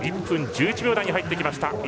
１分１１秒台に入ってきました。